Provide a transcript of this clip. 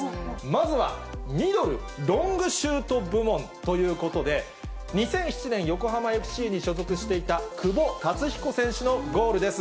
まずはミドル・ロングシュート部門ということで、２００７年、横浜ＦＣに所属していた久保竜彦選手のゴールです。